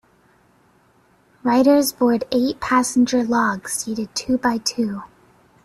Riders board eight-passenger logs, seated two by two.